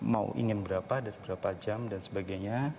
mau ingin berapa dan berapa jam dan sebagainya